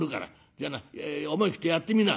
じゃあな思い切ってやってみな」。